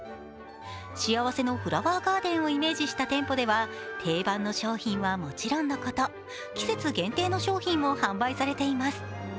幸せのフラワーガーデンをイメージした店舗では定番の商品はもちろんのこと、季節限定の商品も販売されています。